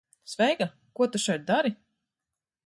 Sveika. Ko tu šeit dari?